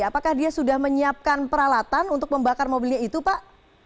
apakah dia sudah menyiapkan peralatan untuk membakar mobilnya itu pak